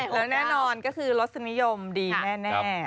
แล้วแน่นอนก็คือรสนิยมดีแน่